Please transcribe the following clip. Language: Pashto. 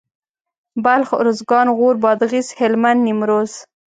بلخ اروزګان غور بادغيس هلمند نيمروز